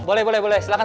boleh boleh silahkan